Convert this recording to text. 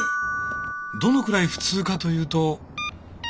どのくらいフツーかというと。